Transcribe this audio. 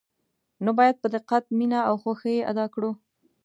نو باید په دقت، مینه او خوښه یې ادا کړو.